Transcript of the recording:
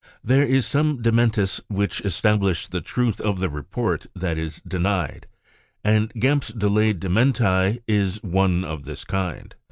There are some dementis which establish the truth of the report that is denied , and Gempp's delayed dementi is one of this kind.